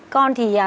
con thì khó